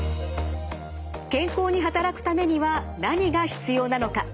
健康に働くためには何が必要なのか。